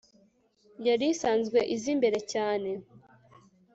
yari isanzwe iza imbere cyane